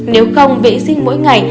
nếu không vệ sinh mỗi ngày